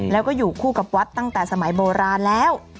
แล้วก็อยู่คู่กับวัดตั้งแต่สมัยโบราณแล้ว